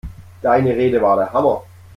Deine Rede war der Hammer!